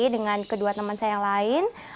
dengan kedua teman saya yang lain